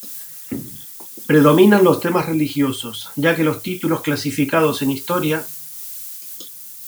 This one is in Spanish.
Predominan los temas religiosos ya que los títulos clasificados en Historia.